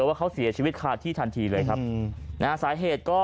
ว่าเขาเสียชีวิตคาที่ทันทีเลยครับนะฮะสาเหตุก็